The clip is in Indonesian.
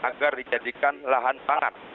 untuk dijadikan lahan pangan